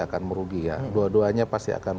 akan merugi ya dua duanya pasti akan